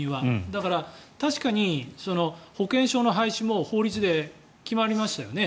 だから確かに保険証の廃止も法律で決まりましたよね。